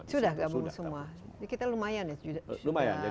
jadi kita lumayan ya sudah